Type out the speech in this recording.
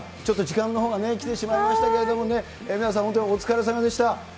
ちょっと時間のほうがね、来てしまいましたけれどもね、皆さん、本当にお疲れさまでした。